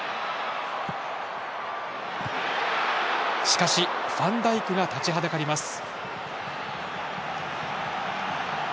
しかし、ファンダイクが立ちはだかります。